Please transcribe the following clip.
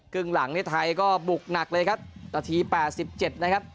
ครึ่งหลังเนี่ยไทยก็บุกหนักเลยครับนาที๘๗นะครับ